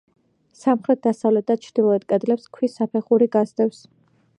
სამხრეთ, დასავლეთ და ჩრდილოეთ კედლებს ქვის საფეხური გასდევს.